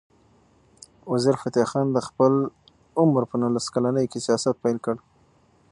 وزیرفتح خان د خپل عمر په نولس کلنۍ کې سیاست پیل کړ.